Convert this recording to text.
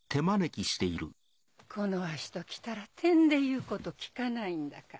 この足ときたらてんで言うこと聞かないんだから。